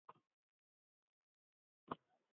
Taxmin, Mirzo Bedil